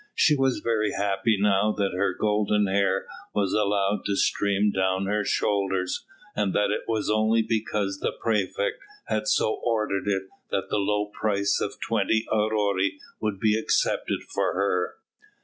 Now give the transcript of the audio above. She was very happy now that her golden hair was allowed to stream down her shoulders, and that it was only because the praefect had so ordered it that the low price of twenty aurei would be accepted for her.